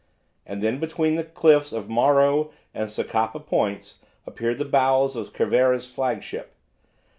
And then between the cliffs of Morro and Socapa Points appeared the bows of Cervera's flagship.